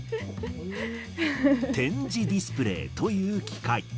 点字ディスプレーという機械。